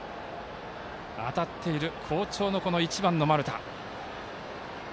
当たっている、好調の１番の丸田。